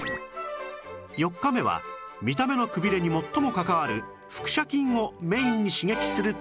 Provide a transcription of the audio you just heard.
４日目は見た目のくびれに最も関わる腹斜筋をメインに刺激するトレーニング